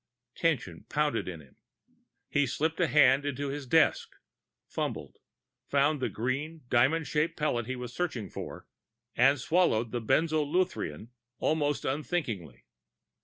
Tension pounded in him. He slipped a hand into his desk, fumbled, found the green, diamond shaped pellet he was searching for, and swallowed the benzolurethrin almost unthinkingly.